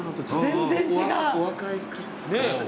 全然違う！